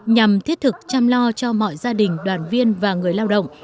nhằm thiết thực chăm lo cho mọi gia đình đoàn viên và người lao động